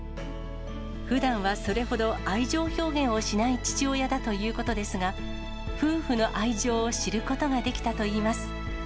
ふだんはそれほど愛情表現をしない父親だということですが、夫婦の愛情を知ることができたといいます。